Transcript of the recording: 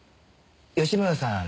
吉村さん